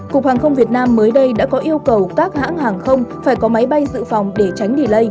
cục hàng không việt nam mới đây đã có yêu cầu các hãng hàng không phải có máy bay dự phòng để tránh đi lây